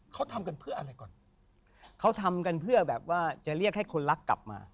เขาทำกันเพื่ออะไรก่อนเขาทำกันเพื่อแบบว่าจะเรียกให้คนรักกลับมา